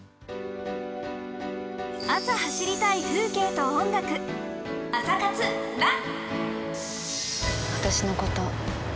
朝走りたい風景と音楽、「朝活ＲＵＮ」。